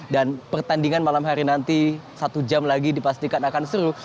dan pertandingan malam hari nanti satu jam lagi dipastikan akan seru